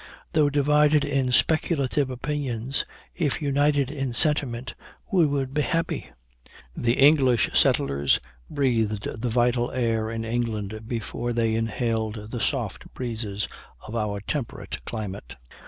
Though divided in speculative opinions, if united in sentiment, we would be happy. The English settlers breathed the vital air in England before they inhaled the soft breezes of our temperate climate.